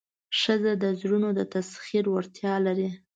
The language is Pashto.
ښځه د زړونو د تسخیر وړتیا لري.